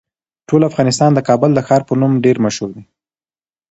ټول افغانستان د کابل د ښار په نوم ډیر مشهور دی.